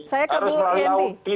saya kembali andi